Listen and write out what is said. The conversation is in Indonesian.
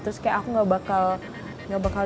terus kayak aku gak bakal